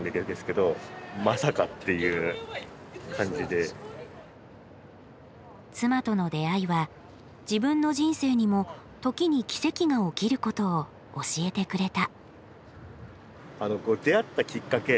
自分ちょっと妻との出会いは自分の人生にも時に奇跡が起きることを教えてくれた。